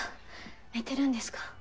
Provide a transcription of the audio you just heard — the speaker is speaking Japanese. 寝てるんですか？